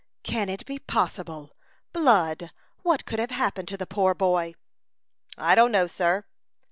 "Can it be possible! Blood! What could have happened to the poor boy?" "I don't know, sir."